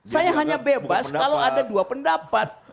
saya hanya bebas kalau ada dua pendapat